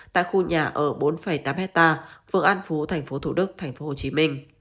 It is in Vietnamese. tại khu nhà ở bốn tám hectare phường an phú tp thủ đức tp hcm